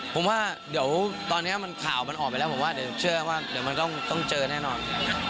ผมว่าเดี๋ยวตอนนี้ข่าวมันออกไปแล้วผมว่าเดี๋ยวเชื่อว่าเดี๋ยวมันต้องเจอแน่นอน